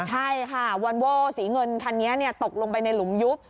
ใช่ค่ะวอนโว้สีเงินคันนี้ตกลงไปในหลุมยุบ